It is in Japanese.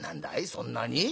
そんなに？